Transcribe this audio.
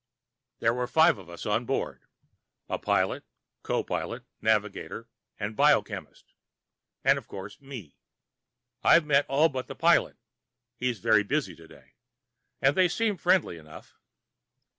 There are five of us on board. A pilot, co pilot, navigator and biochemist. And, of course, me. I've met all but the pilot (he's very busy today), and they seem friendly enough.